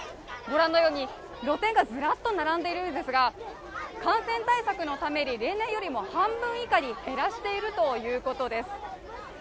御覧のように露店がずらっと並んでいるんですが、感染対策のために例年よりも半分以下に減らしているということです。